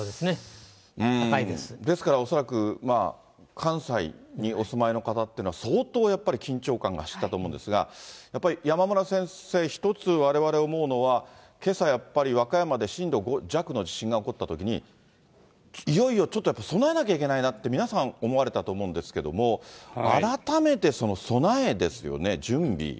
ですから恐らく、関西にお住まいの方っていうのは、相当やっぱり緊張感が走ったと思うんですが、やっぱり山村先生、一つわれわれ思うのは、けさやっぱり、和歌山で震度５弱の地震が起こったときに、いよいよちょっとやっぱり備えなきゃいけないなって、皆さん、思われたと思うんですけれども、改めてその備えですよね、準備。